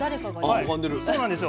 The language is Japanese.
はいそうなんですよ。